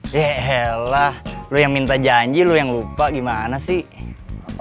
deh helah lo yang minta janji lo yang lupa gimana sih